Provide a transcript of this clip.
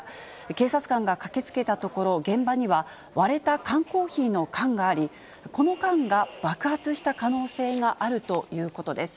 警察官が駆けつけたところ、現場には割れた缶コーヒーの缶があり、この缶が爆発した可能性があるということです。